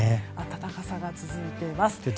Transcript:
暖かさが続いています。